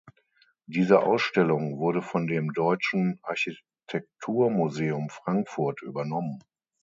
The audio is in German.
Diese Ausstellung wurde von dem Deutschen Architekturmuseum Frankfurt übernommen.